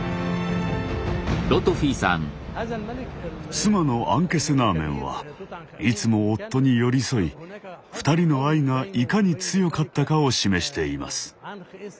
妻のアンケセナーメンはいつも夫に寄り添い２人の愛がいかに強かったかを示しています。